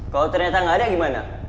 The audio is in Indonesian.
kalo ternyata gak ada gimana